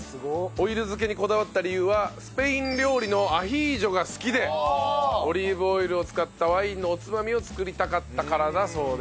オイル漬けにこだわった理由はスペイン料理のアヒージョが好きでオリーブオイルを使ったワインのおつまみを作りたかったからだそうです。